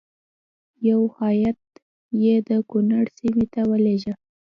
یو هیات یې د کنړ سیمې ته ولېږه.